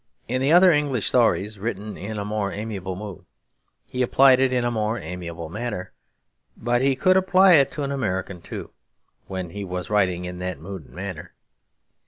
In the other English stories, written in a more amiable mood, he applied it in a more amiable manner; but he could apply it to an American too, when he was writing in that mood and manner.